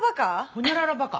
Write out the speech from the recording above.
ほにゃららバカ？